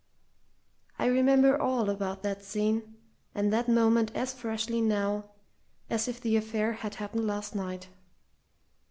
I remember all about that scene and that moment as freshly now as if the affair had happened last night.